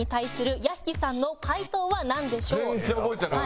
全然覚えてない。